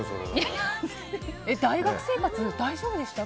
大学生活大丈夫でした？